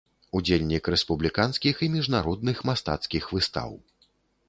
Удзельнік рэспубліканскіх і міжнародных мастацкіх выстаў.